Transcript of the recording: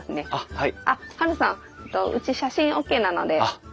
はい。